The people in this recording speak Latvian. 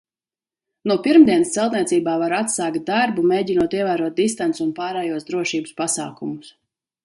No pirmdienas celtniecībā var atsākt darbu, mēģinot ievērot distanci un pārējos drošības pasākumus.